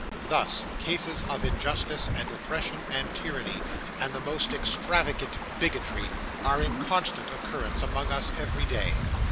Thus, cases of injustice, and oppression, and tyranny, and the most extravagant bigotry, are in constant occurrence among us every day.